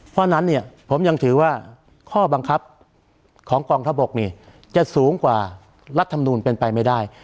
เพราะฉะนั้นเนี่ยผมยังถือว่าข้อบังคับของกองทัพบกนี่จะสูงกว่ารัฐธรรมนูลเป็นไปไม่ได้